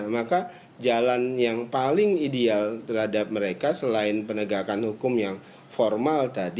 maka jalan yang paling ideal terhadap mereka selain penegakan hukum yang formal tadi